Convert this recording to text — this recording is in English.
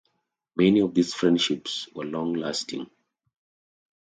Many of these friendships were long-lasting.